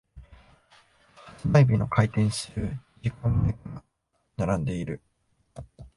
発売日の開店する二時間前から並んでいる。